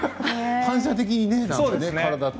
反射的にね。